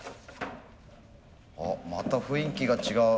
あまた雰囲気が違う。